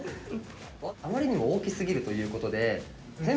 あまりにも大きすぎるということで誰？